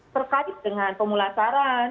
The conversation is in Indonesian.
terkait dengan pemulasaran